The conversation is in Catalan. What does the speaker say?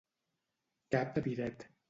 Cap de biret.